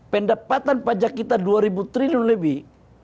pendapatan pajak kita dua ribu triliun lebih